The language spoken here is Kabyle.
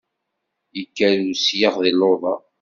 Yekker usyax di luḍa!